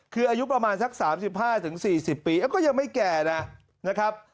คืออายุประมาณสัก๓๕๔๐ปีก็ยังไม่แก่นะครับ